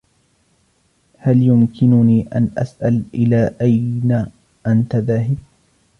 هل يمكنني أن أسأل, إلى أين أنتَ ذاهب؟